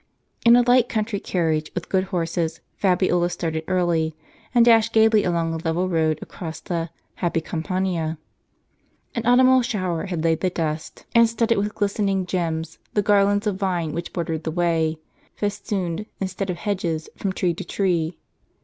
In a light country carriage, with good horses, Fabiola started early, and dashed gaily along the level road across the " happy Campania." An autumnal shower had laid the dust, and studded with glistening gems the garlands of vine which bordered the way, festooned, instead of hedges, from tree to tree.